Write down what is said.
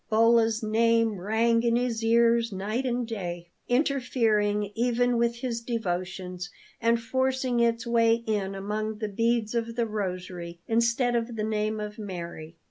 Bolla's name rang in his ears night and day, interfering even with his devotions, and forcing its way in among the beads of the rosary instead of the name of Mary.